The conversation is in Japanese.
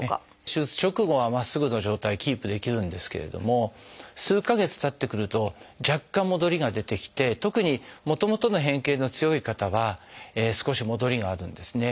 手術直後はまっすぐの状態キープできるんですけれども数か月たってくると若干戻りが出てきて特にもともとの変形の強い方は少し戻りがあるんですね。